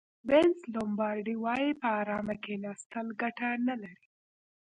وینس لومبارډي وایي په ارامه کېناستل ګټه نه لري.